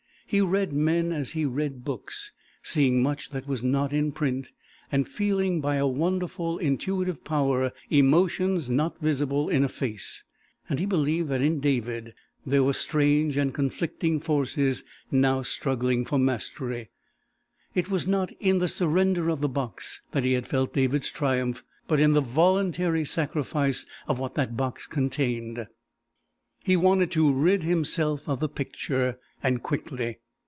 He read men as he read books, seeing much that was not in print, and feeling by a wonderful intuitive power emotions not visible in a face, and he believed that in David there were strange and conflicting forces struggling now for mastery. It was not in the surrender of the box that he had felt David's triumph, but in the voluntary sacrifice of what that box contained. He wanted to rid himself of the picture, and quickly.